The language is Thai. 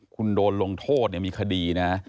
คุณโดนลงโทษมีคดีนะ